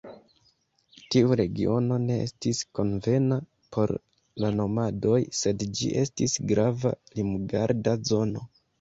Tiu regiono ne estis konvena por la nomadoj, sed ĝi estis grava limgarda zono.